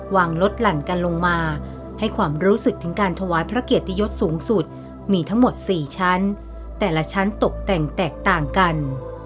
วางลดหลั่นกันลงมาให้ความรู้สึกถึงการถวายพระเกียรติยศสูงสุดมีทั้งหมด๔ชั้นแต่ละชั้นตกแต่งแตกต่างกัน